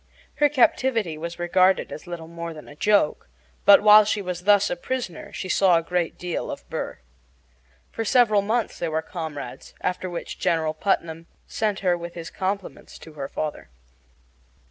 Her captivity was regarded as little more than a joke; but while she was thus a prisoner she saw a great deal of Burr. For several months they were comrades, after which General Putnam sent her with his compliments to her father.